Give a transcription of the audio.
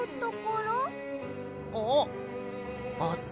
あっ！